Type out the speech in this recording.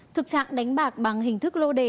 thực trạng đánh bạc bằng hình thức lô đề